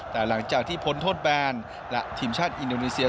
แต่หลังจากที่พ้นโทษแบนและทีมชาติอินโดนีเซีย